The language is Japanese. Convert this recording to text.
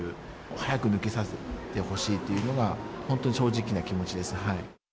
早く抜けてほしいというのが、本当に正直な気持ちです。